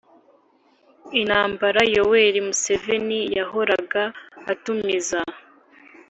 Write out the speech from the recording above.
intambara.yoweri museveni yahoraga atumiza